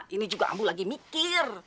ini juga ambu lagi mikir